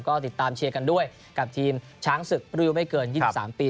ก็ติดตามเชียร์กันด้วยกับทีมช้างศึกรูยุไม่เกินยี่สิบสามปี